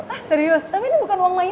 hah serius tapi ini bukan uang mainan loh